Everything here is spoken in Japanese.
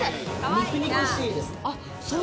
肉肉しいです。